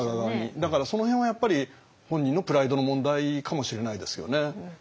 だからその辺はやっぱり本人のプライドの問題かもしれないですよね。